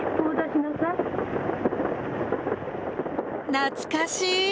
懐かしい！